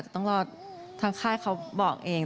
ต้องรอทางค่ายเขาบอกเอง